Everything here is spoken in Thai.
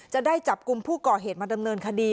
จะได้จับกลุ่มผู้ก่อเหตุมาดำเนินคดี